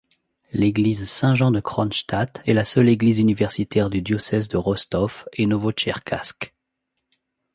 L’église Saint-Jean-de-Cronstadt est la seule église universitaire du diocèse de Rostov et Novotcherkassk.